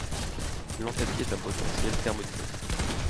L'enthalpie est un potentiel thermodynamique.